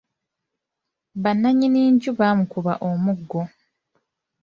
Bannannyini nju baamukuba omuggo.